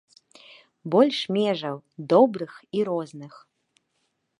Больш межаў добрых і розных!